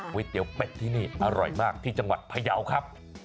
๋วเป็ดที่นี่อร่อยมากที่จังหวัดพยาวครับ